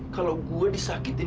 kalau gue disakitin